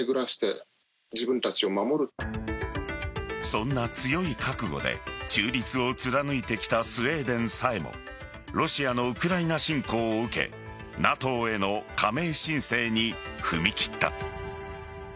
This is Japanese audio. そんな強い覚悟で中立を貫いてきたスウェーデンさえもロシアのウクライナ侵攻を受けＮＡＴＯへの加盟申請に踏み切った。